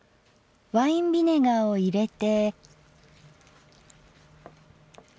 ワインビネガーを入れて。